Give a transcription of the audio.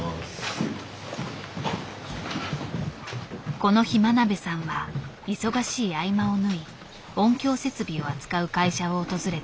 この日真鍋さんは忙しい合間を縫い音響設備を扱う会社を訪れた。